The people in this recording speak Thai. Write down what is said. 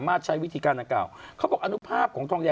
มาทำอย่างไงก็ได้